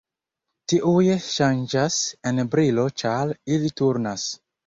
Tiuj ŝanĝas en brilo ĉar ili turnas.